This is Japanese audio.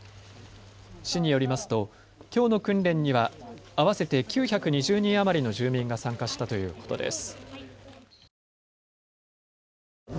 市によりますときょうの訓練には合わせて９２０人余りの住民が参加したということです。